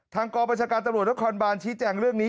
ทางกรประชาการตำรวจนักขอร์ณบาลชี้แจงเรื่องนี้